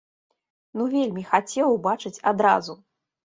Ну вельмі хацеў убачыць адразу!